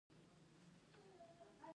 هغوی د نجونو غږ نه اورېد.